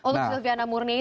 untuk silviana murni itu